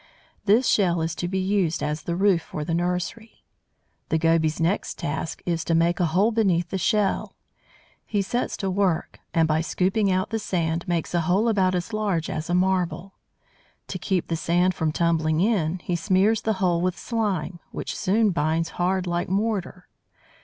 This shell is to be used as the roof for the nursery. The Goby's next task is to make a hole beneath the shell. He sets to work and, by scooping out the sand, makes a hole about as large as a marble. To keep the sand from tumbling in, he smears the hole with slime, which soon binds hard like mortar.